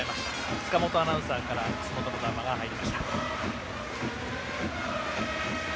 塚本アナウンサーから楠本の談話が入りました。